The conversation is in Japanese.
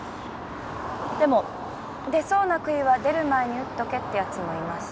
でも出そうなくいは出る前に打っとけってやつもいます。